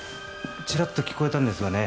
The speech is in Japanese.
チラッと聞こえたんですがね